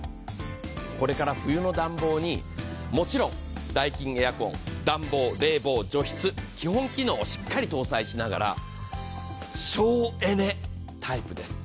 これから冬の暖房に、もちろんダイキンエアコン、暖房、冷房、除湿、基本機能をしっかり搭載しながら、省エネタイプです。